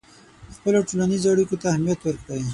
خپلو ټولنیزو اړیکو ته اهمیت ورکړئ.